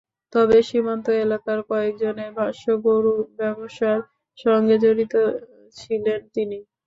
তবে সীমান্ত এলাকার কয়েকজনের ভাষ্য, গরু ব্যবসার সঙ্গে জড়িত ছিলেন তিনি।